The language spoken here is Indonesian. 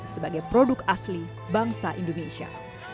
sebagai produk asli bangsa indonesia